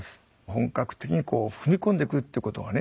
本格的に踏み込んでくるっていうことがね